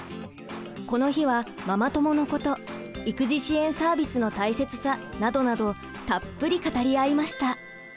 この日はママ友のこと育児支援サービスの大切さなどなどたっぷり語り合いました。